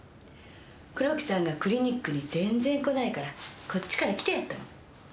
黒木さんがクリニックに全然来ないからこっちから来てやったの。